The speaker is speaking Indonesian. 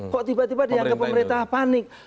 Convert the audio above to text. kok tiba tiba dianggap pemerintah panik